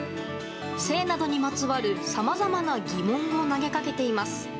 性などにまつわる、さまざまな疑問を投げかけています。